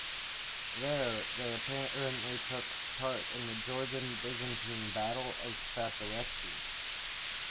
There, they apparently took part in the Georgian-Byzantine Battle of Sasireti.